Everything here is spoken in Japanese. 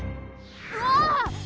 うわ！